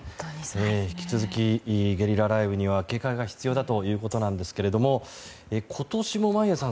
引き続き、ゲリラ雷雨には警戒が必要ということなんですが今年も眞家さん